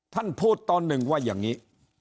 ท่านพูดตอนหนึ่งว่าอย่างนี้